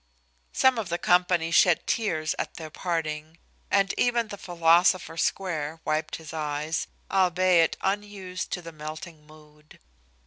Some of the company shed tears at their parting; and even the philosopher Square wiped his eyes, albeit unused to the melting mood.